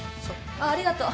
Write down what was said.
あっありがとう。